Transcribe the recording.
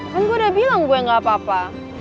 kan gue udah bilang gue gak apa apa